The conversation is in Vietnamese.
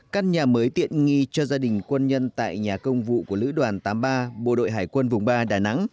căn nhà mới tiện nghi cho gia đình quân nhân tại nhà công vụ của lữ đoàn tám mươi ba bộ đội hải quân vùng ba đà nẵng